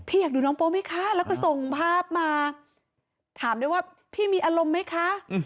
อยากดูน้องโป๊ไหมคะแล้วก็ส่งภาพมาถามด้วยว่าพี่มีอารมณ์ไหมคะ